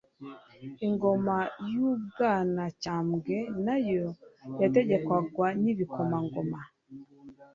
Ingoma y'u Bwanacyambwe nayo yategekwaga n'Ibikomangoma